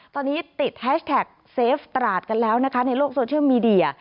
ตอนนี้ติดแฮชแท็กเซฟตราดกันแล้วนะคะในโลกโซเชียลมีเดีย